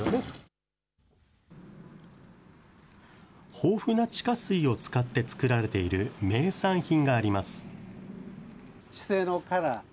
豊富な地下水を使って作られている名産品があります。